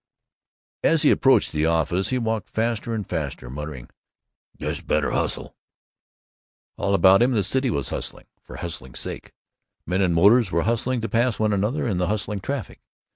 As he approached the office he walked faster and faster, muttering, "Guess better hustle." All about him the city was hustling, for hustling's sake. Men in motors were hustling to pass one another in the hustling traffic.